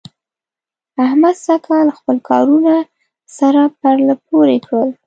احمد سږکال خپل کارونه سره پرله پورې کړل.